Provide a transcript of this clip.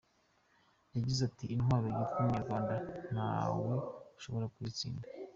Yagize ati ”Intwaro yitwa Ubunyarwanda ntawe ushobora kuyitsinda.